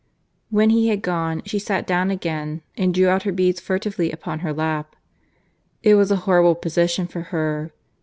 When he had gone, she sat down again, and drew out her beads furtively upon her lap. It was a horrible position for her.